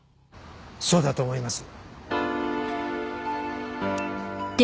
そうだと思います。